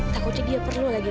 takutnya dia perlu lagi